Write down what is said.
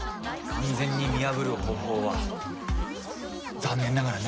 完全に見破る方法は残念ながらないんです。